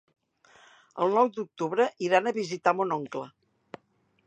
El nou d'octubre iran a visitar mon oncle.